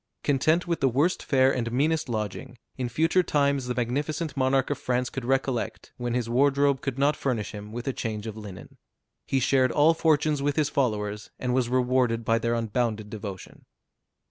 Content with the worst fare and meanest lodging, in future times the magnificent monarch of France could recollect when his wardrobe could not furnish him with a change of linen. He shared all fortunes with his followers, and was rewarded by their unbounded devotion.